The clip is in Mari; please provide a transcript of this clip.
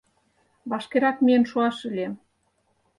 Вашкерак миен шуаш ыле.